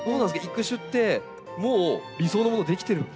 育種ってもう理想のもの出来てるんですか？